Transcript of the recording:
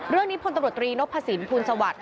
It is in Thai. เรื่องนี้พลตำรวจรีนพสินพูลสวัสดิ์